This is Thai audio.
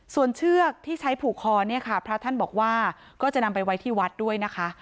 ส่วนเชือกที่ใช้ผูกคอเนี่ยค่ะพระท่านบอกว่าก็จะนำไปไว้ที่วัดด้วยนะคะ